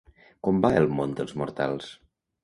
Com va el món dels mortals?